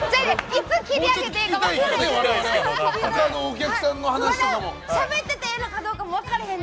いつ切り上げてええか分からない。